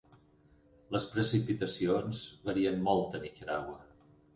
Les precipitacions varien molt a Nicaragua.